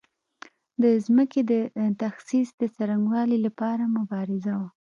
د ځمکو د تخصیص د څرنګوالي لپاره مبارزه وه.